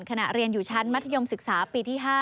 ขณะเรียนอยู่ชั้นมัธยมศึกษาปีที่๕